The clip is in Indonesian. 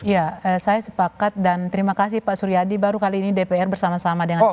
ya saya sepakat dan terima kasih pak suryadi baru kali ini dpr bersama sama dengan kpk